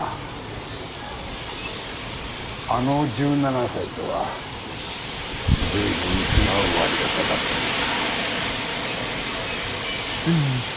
あの１７才とは随分違う終わり方だったが。